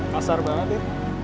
kasar banget ya